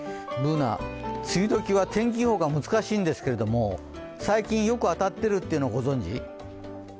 Ｂｏｏｎａ、梅雨時は天気予報が難しいんですけども、最近よく当たっているというのはご存じ？